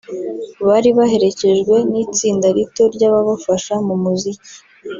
bari baherekejwe n’itsinda rito ry’ababafasha mu muziki